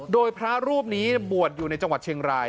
โดยพระรูปนี้บวชอยู่ในจังหวัดเชียงราย